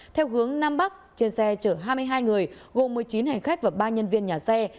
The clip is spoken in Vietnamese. theo hướng nam bắc trên xe chở hai mươi hai người gồm một mươi chín hành khách và ba nhân viên nhà xe